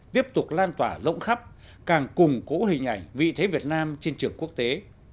tiếp tục lan tỏa rộng khắp càng củng cố hình ảnh vị thế việt nam trên trường quốc tế